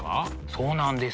そうなんです。